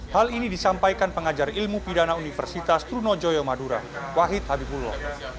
hal ini disampaikan pengajar ilmu pidana universitas trunojoyo madura wahid habibullah